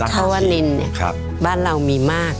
เพราะว่านินบ้านเรามีมาก